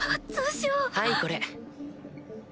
はいこれ。